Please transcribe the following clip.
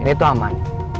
ini tuh aman